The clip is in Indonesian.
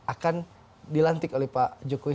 akan dilantik oleh pak jokowi